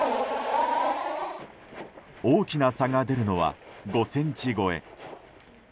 大きな差が出るのは５ｃｍ超え。